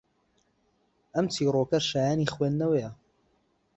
ئەم چیرۆکە شایەنی خوێندنەوەیە